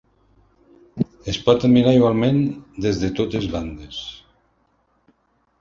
Es pot admirar igualment des de totes bandes.